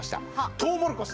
トウモロコシです。